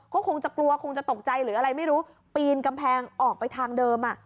ก็คงจะกลัวคงจะตกใจหรืออะไรไม่รู้ปีนกำแพงออกไปทางเดิม